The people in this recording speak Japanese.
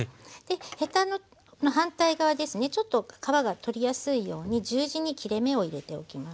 ヘタの反対側ですねちょっと皮が取りやすいように十字に切れ目を入れておきます。